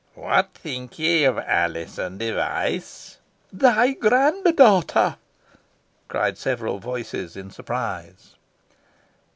What think ye of Alizon Device?" "Thy grand daughter!" cried several voices, in surprise.